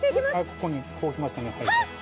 ここに、こう来ましたね。